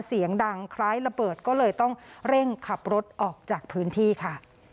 เสียงดังคล้ายระเบิดก็เลยต้องเร่งขับรถออกจากพื้นที่ค่ะ